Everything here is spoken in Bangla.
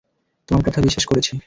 তোমার কথা বিশ্বাস করেছি।